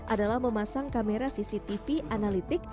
adalah memasang kamera cctv analitik